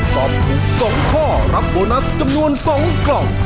ตอบถูก๒ข้อรับโบนัสจำนวน๒กล่อง